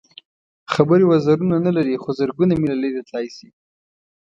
خبرې وزرونه نه لري خو زرګونه مېله لرې تللی شي.